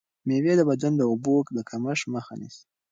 مېوې د بدن د اوبو د کمښت مخه نیسي.